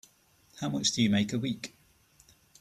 How much do you make a week?